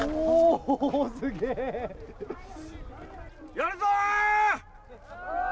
やるぞー！